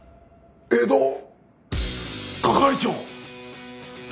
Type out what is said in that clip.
江戸係長！？